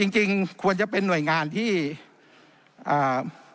จริงจริงควรจะเป็นหน่วยงานที่อ่า